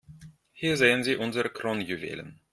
Hier sehen Sie unsere Kronjuwelen.